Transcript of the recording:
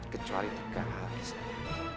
kecuali tiga hal kisah anak